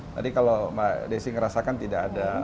tadi kalau mbak desi ngerasakan tidak ada